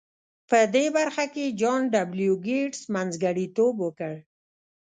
په دې برخه کې جان ډبلیو ګیټس منځګړیتوب وکړ